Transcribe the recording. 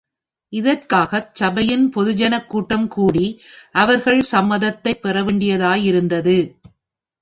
இதற்காகச் சபையின் பொது ஜனக் கூட்டம் கூடி, அவர்கள் சம்மதத்தைப் பெற வேண்டியதாயிருந்தது.